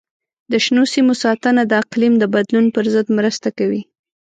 د شنو سیمو ساتنه د اقلیم د بدلون پر ضد مرسته کوي.